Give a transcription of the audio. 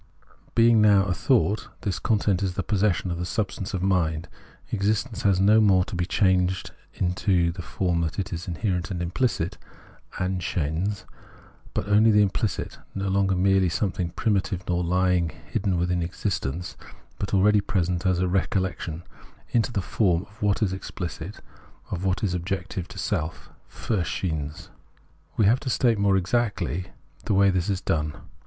Being now a thought, the content is the possession of the substance of mind ; existence has no more to be changed into the form of what is inherent and impKcit (Ansichseins), but only the imphcit — no longer merely something primi tive, nor lying hidden within existence, but already present as a recollection — into the form of what is exphcit, of what is objective to self [Filrsichseins). We have to state more exactly the way this is done.